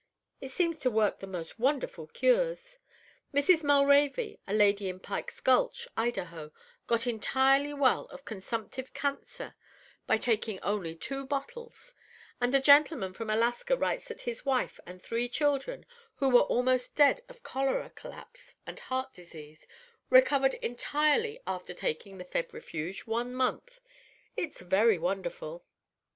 It seems to work the most wonderful cures. Mrs. Mulravy, a lady in Pike's Gulch, Idaho, got entirely well of consumptive cancer by taking only two bottles; and a gentleman from Alaska writes that his wife and three children, who were almost dead of cholera collapse and heart disease, recovered entirely after taking the Febrifuge one month. It's very wonderful."